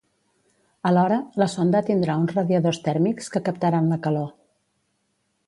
Alhora, la sonda tindrà uns radiadors tèrmics que captaran la calor.